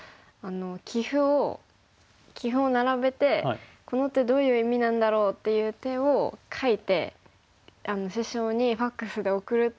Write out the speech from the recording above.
棋譜を棋譜を並べて「この手どういう意味なんだろう？」っていう手を書いて師匠にファックスで送るっていうのを。